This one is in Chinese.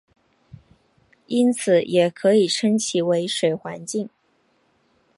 因此也可以称其为水环境。